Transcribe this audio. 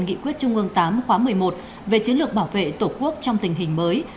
nghị quyết trung ương tám khóa một mươi một về chiến lược bảo vệ tổ quốc trong tình hình mới